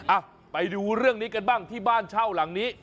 อ่ะไปดูเรื่องนี้กันบ้างที่บ้านเช่าหลังนี้